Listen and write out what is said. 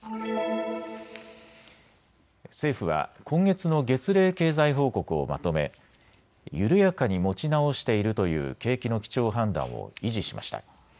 政府は今月の月例経済報告をまとめ緩やかに持ち直しているという景気の基調判断を維持しました。